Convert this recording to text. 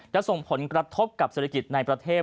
จะส่งผลกระทบกับเศรษฐกิจในประเทศ